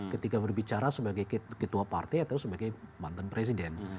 ketika berbicara sebagai ketua partai atau sebagai mantan presiden